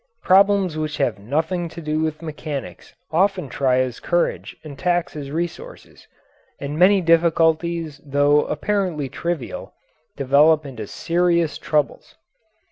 Problems which have nothing to do with mechanics often try his courage and tax his resources, and many difficulties though apparently trivial, develop into serious troubles.